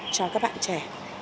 cho các bạn trẻ